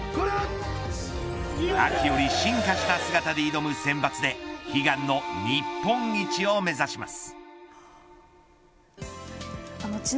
秋より進化した姿で挑むセンバツで悲願の日本一を目指します。